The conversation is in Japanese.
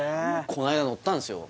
この間乗ったんですよ